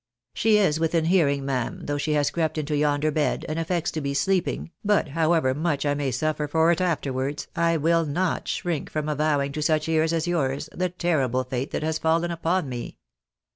" She is within hearing, ma'am, though she has crept into yonder bed, and affects to be sleeping, but however much I may suffer for it afterwards, I will not shrink from avowing to such ears as yours, the terrible fate that has fallen upon me.